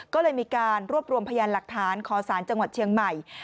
ก็เลยมีการรวบรวมพยานหลักฐานขอสารจังหวัดเชียงใหม่